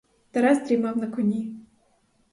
Тарас дрімав на коні.